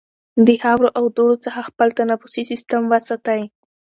د خاورو او دوړو څخه خپل تنفسي سیستم وساتئ.